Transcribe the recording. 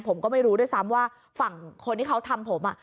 ผมก็ไม่รู้ด้วยซ้ำว่าฝั่งคนที่เขาทำผม